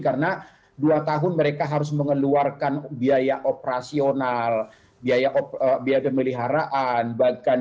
karena dua tahun mereka harus mengeluarkan biaya operasional biaya pemeliharaan